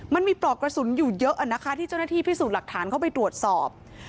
ปลอกกระสุนอยู่เยอะนะคะที่เจ้าหน้าที่พิสูจน์หลักฐานเข้าไปตรวจสอบ